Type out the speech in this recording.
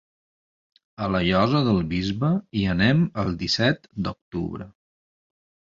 A la Llosa del Bisbe hi anem el disset d'octubre.